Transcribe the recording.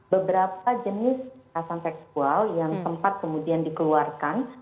beberapa jenis kekerasan seksual yang sempat kemudian dikeluarkan